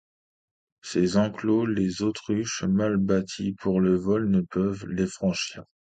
Ces enclos, les autruches, mal bâties pour le vol, ne peuvent les franchir.